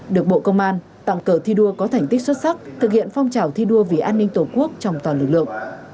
được bộ công an tặng cờ thi đua có thành tích xuất sắc thực hiện phong trào thi đua vì an ninh tổ quốc trong toàn lực lượng